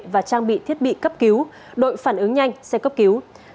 và trang bị thiết bị cấp cứu đội phản ứng nhanh xe cấp cứu